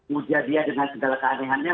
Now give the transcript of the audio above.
muji dia dengan segala keanehannya